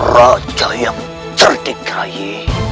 raja yang tertikrai